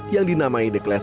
yang dinamai the class